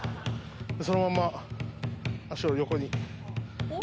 そのまま足を横に。